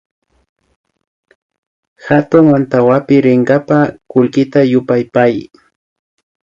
Hatun antawapi rinkapa kullkita yupapay